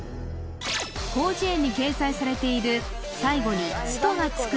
広辞苑に掲載されている最後に「スト」がつく